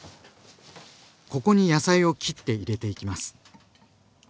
ここに野菜を切って入れていきます。